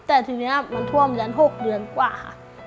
แต่ทีนี้มันท่วมยัน๖เดือนกว่า